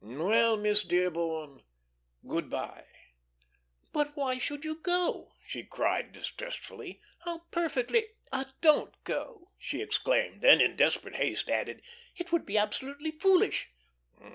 "Well, Miss Dearborn good by." "But why should you go?" she cried, distressfully. "How perfectly ah, don't go," she exclaimed, then in desperate haste added: "It would be absolutely foolish."